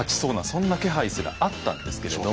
そんな気配すらあったんですけれども。